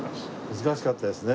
難しかったですね。